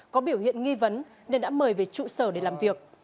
có biểu hiện nghi vấn nên đã mời về trụ sở để làm việc